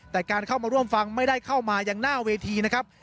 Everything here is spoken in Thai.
แต่การเข้ามาร่วมฟังไม่ได้เข้ามายังหน้าเวทีนะครับ